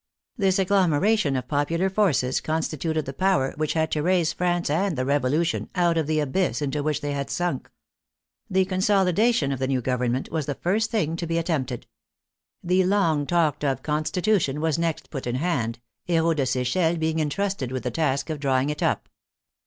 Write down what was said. This agglomeration of popular forces constituted the power which had to raise France and the Revolution out of the abyss into which they had sunk. The consolidation of the new government was the first thing to be at tempted. The long talked of Constitution was next put in hand, Herault de Sechelles being entrusted with the task of drawing it up.